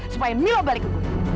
supaya milo balik ke gue